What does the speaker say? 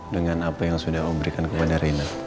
dengan apa yang sudah allah berikan kepada reina